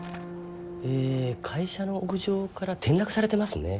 え会社の屋上から転落されてますね。